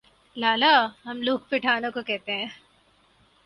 لالہ ہم لوگ پٹھانوں کو کہتے ہیں ۔